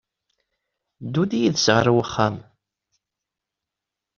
Ddu-d yid-s ɣer uxxam!